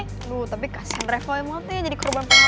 aduh tapi kasian reflux emoti jadi kerubahan penyakit